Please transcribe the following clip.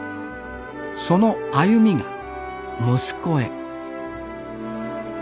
その歩みが息子へ。